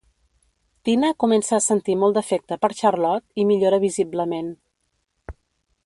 Tina comença a sentir molt d'afecte per Charlotte i millora visiblement.